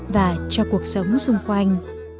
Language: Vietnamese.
và cho cuộc sống xung quanh